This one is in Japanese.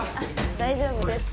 大丈夫です。